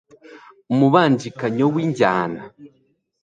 umubangikanyo w'injyana